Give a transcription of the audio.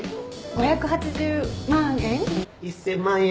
５８０万円？